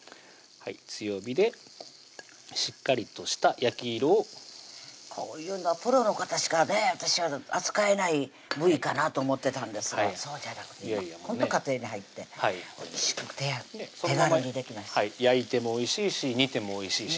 強火でしっかりとした焼き色をこういうのはプロの方しかね私ら扱えない部位かなと思ってたんですがそうじゃなくてほんと家庭に入っておいしくて手軽にできます焼いてもおいしいし煮てもおいしいし